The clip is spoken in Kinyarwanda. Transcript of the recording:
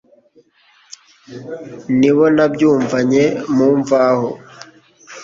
nibo nabyumvanye mu mvaho